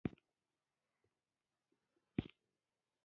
زده کړې یې کمه وه.